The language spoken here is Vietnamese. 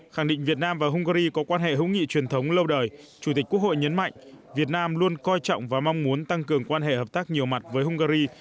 khẳng định việt nam và hungary có quan hệ hữu nghị truyền thống lâu đời chủ tịch quốc hội nhấn mạnh việt nam luôn coi trọng và mong muốn tăng cường quan hệ hợp tác nhiều mặt với hungary